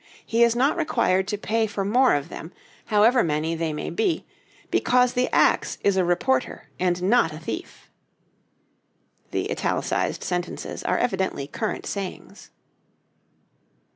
He is not required to pay for more of them, however many they may be, because the axe is a reporter, and not a thief." [The italicized sentences are evidently current sayings.